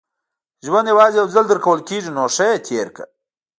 • ژوند یوازې یو ځل درکول کېږي، نو ښه یې تېر کړه.